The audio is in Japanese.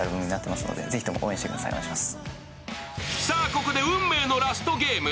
ここで運命のラストゲーム。